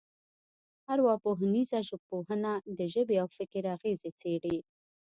ارواپوهنیزه ژبپوهنه د ژبې او فکر اغېزې څېړي